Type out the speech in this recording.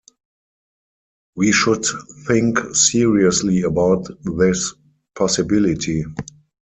We should think seriously about this possibility.